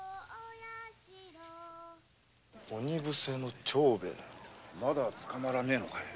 鬼伏せの長兵ヱまだ捕まらねえのかい？